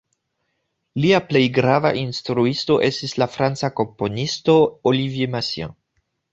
Lia plej grava instruisto estis la franca komponisto Olivier Messiaen.